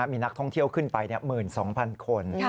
มีนักท่องเที่ยวขึ้นไป๑๒๐๐๐คน